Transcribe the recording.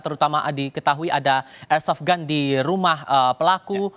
terutama diketahui ada airsoft gun di rumah pelaku